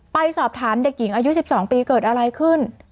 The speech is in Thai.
ไปสอบถามเด็กหญิงอายุ๑๒ปีเกิดอะไรขึ้น